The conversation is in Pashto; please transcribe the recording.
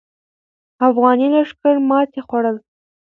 افغاني لښکر ماتې خوړله.